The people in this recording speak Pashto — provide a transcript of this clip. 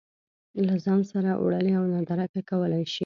له ځان سره وړلی او نادرکه کولی شي